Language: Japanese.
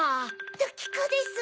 ドキコです。